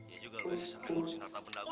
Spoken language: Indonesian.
ya juga lu biasa mengurusin harta benda gua